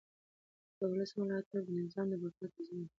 د ولس ملاتړ د نظام د بقا تضمین دی